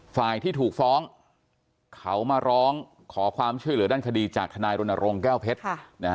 ฝ่ายที่ถูกฟ้องเขามาร้องขอความช่วยเหลือด้านคดีจากทนายรณรงค์แก้วเพชร